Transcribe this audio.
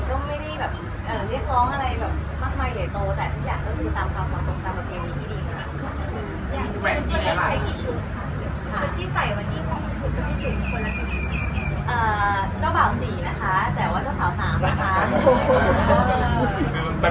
ก็ไม่ได้แบบเอ่อเรียกร้องอะไรแบบมะไง